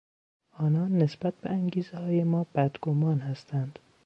آنان نسبت به انگیزههای ما بدگمان هستند.